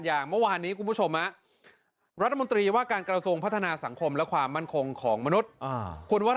ยาต้องยืนหยิบหลังปีเพราะว่าไม่เจอแล้วคุณพ่อมันอยู่ข้าง